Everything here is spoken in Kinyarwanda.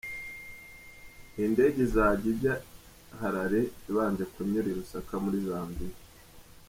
Iyi ndege izajya ijya Harare i yabanje kunyura i Lusaka muri Zambia.